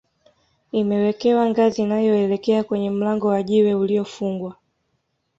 imewekewa ngazi inayoelekea kwenye mlango wa jiwe uliyofungwa